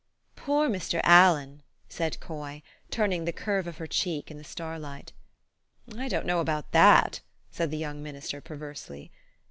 " Poor Mr. Allen !" said Coy, turning the curve of her cheek in the starlight. " I don't know about that," said the young min ister perversely.